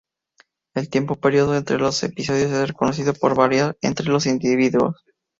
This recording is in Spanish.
El tiempo periodo entre los episodios es conocido por variar entre los individuos.